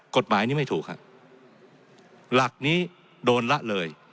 กฎหมายนี้ไม่ถูกครับหลักนี้โดนละเลย